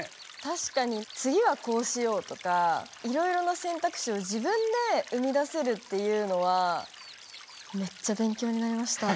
たしかに「次はこうしよう」とかいろいろな選択肢を自分で生み出せるっていうのはめっちゃ勉強になりました。